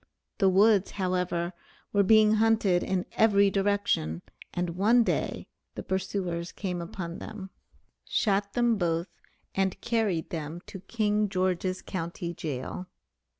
The woods, however, were being hunted in every direction, and one day the pursuers came upon them, shot them both, and carried them to King George's Co. jail.